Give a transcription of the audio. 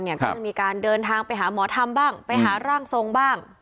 ก็จะมีการเดินทางไปหาหมอธรรมบ้างไปหาร่างทรงบ้าง